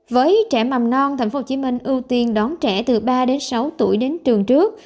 với trẻ mầm non tp hcm ưu tiên đón trẻ từ ba đến sáu tuổi đến trường trước